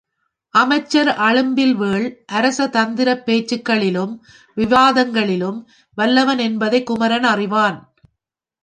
அமைச்சர் அழும்பில்வேள் அரச தந்திரப் பேச்சுக்களிலும் விவாதங்களிலும் வல்லவன் என்பதையும் குமரன் அறிவான்.